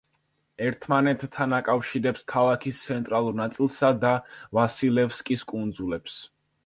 ერთმანეთთან აკავშირებს ქალაქის ცენტრალურ ნაწილსა და ვასილევსკის კუნძულებს.